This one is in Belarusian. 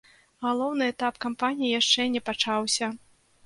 Галоўны этап кампаніі яшчэ не пачаўся.